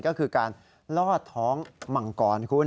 ก็คือการลอดท้องมังกรคุณ